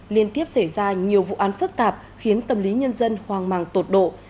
liên tiếp xảy ra nhiều vụ án phức tạp khiến tâm lý nhân dân hoang màng tột độ